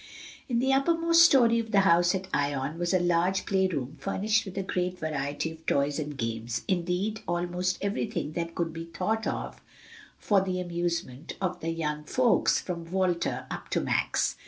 In the uppermost story of the house at Ion was a large play room furnished with a great variety of toys and games indeed almost everything that could be thought of for the amusement of the young folks, from Walter up to Max.